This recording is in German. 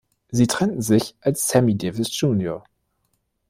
Sie trennten sich, als Sammy Davis, Jr.